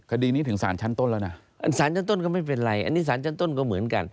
คดีนี้ถึงสารชั้นต้นแล้วนะสารชั้นต้นก็ไม่เป็นไรอันนี้สารชั้นต้นก็เหมือนกัน